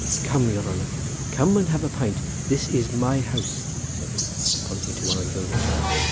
Come, your honour, come and have a pint; this is my house," said he, pointing to one of the buildings.